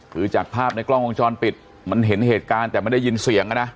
คือจากภาพในกล้องวงจรปิดมันเห็นเหตุการณ์แต่ไม่ได้ยินเสียงนะ